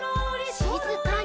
しずかに。